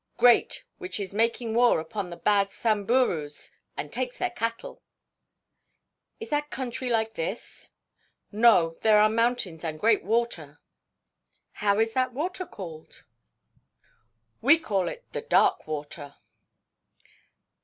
"Great, which is making war upon the bad Samburus and takes their cattle." "Is that country like this?" "No. There are mountains and great water." "How is that water called?" "We call it 'The Dark Water.'"